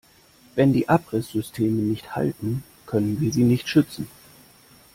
Wenn die Abrisssysteme nicht halten, können wir sie nicht schützen.